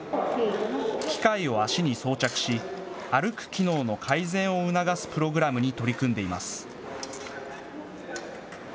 機械を足に装着し、歩く機能の改善を促すプログラムに取り組んでいます。